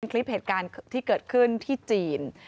คลิปเหตุการณ์ที่เกิดขึ้นที่จีน